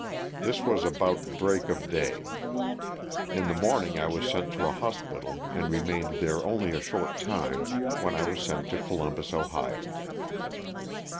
This was about break of day; in the morning I was sent to a hospital and re mained there only a short time, when I was sent to Columbus, Ohio.